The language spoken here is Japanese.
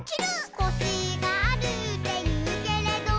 「コシがあるっていうけれど」